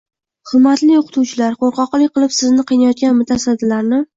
Hurmatli o‘qitivchilar, qo‘rqoqlik qilib sizni qiynayotgan mutasaddilarni